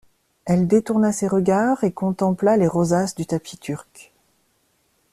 Elle détourna ses regards et contempla les rosaces du tapis turc.